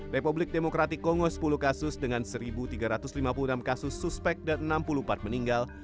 republik demokratik kongo sepuluh kasus dengan satu tiga ratus lima puluh enam kasus suspek dan enam puluh empat meninggal